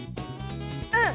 うん！